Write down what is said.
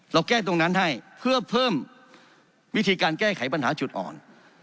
เราแก้ตรงนั้นให้เพื่อเพิ่มวิธีการแก้ไขปัญหาจุดอ่อน